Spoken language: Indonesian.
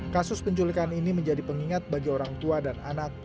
kasus penculikan ini menjadi pengingat bagi orang tua dan anak